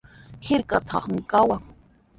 Hirkatrawmi kawan.